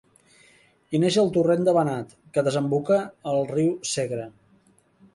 Hi neix el Torrent de Banat, que desemboca al riu Segre.